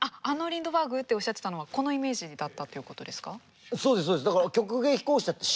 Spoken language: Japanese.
「あのリンドバーグ？」っておっしゃってたのはこのイメージだったっていうことですか？